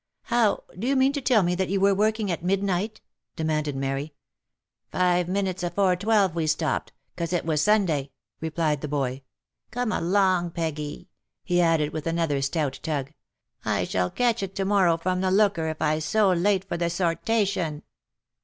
" How !— do you mean to tell me that you were working at mid night ?" demanded Mary. " Five minutes afore twelve we stopped — 'cause it was Sunday," replied the boy. *■ Come along Peggy !" he added with another stout tug, " I shall catch it to morrow from the looker if I'se too late for the 'sortation."